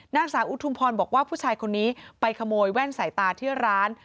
นางสาวอุทุมพรบอกว่าผู้ชายคนนี้ไปขโมยแว่นสายตาที่ร้าน